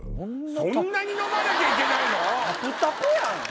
そんなに飲まなきゃいけないの⁉タプタプやん！